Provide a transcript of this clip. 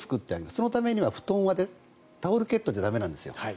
そのためには布団はタオルケットじゃ駄目なんですよ。